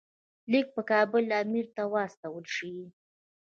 لیک په کابل امیر ته واستول شي.